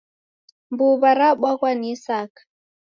Mbuwa rabwaghwa ni isaka